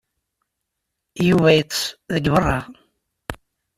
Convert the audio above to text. Yuba yeṭṭes deg beṛṛa.